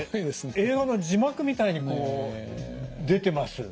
映画の字幕みたいにこう出てます。